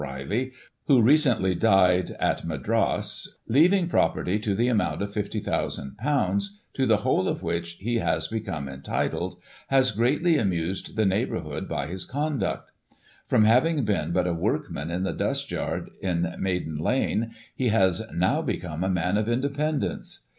Riley, who recently died at Madras, leaving property to the amount of ;6"50,ooo, to the whole of which he has become entitled, has greatly amused the neighbourhood by his conduct From having been but a workman in the dust yard in Maiden Lane, he has, now, become a man of independence.